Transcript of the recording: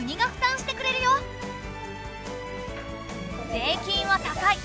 税金は高い。